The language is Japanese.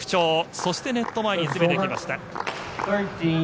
そしてネット前に詰めてきました。